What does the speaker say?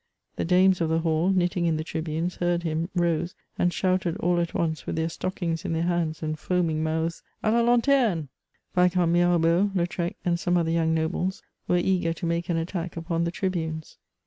The dames of the hall, knitting in the tribunes, heard him, rose, and shouted all at once, with their stockings in their hands, and foaming mouths, ^^ Ala lanteme /" Viscount Mirabeau, Lautrec, and some other young nobles, were eager to make an attack upon the tribunes.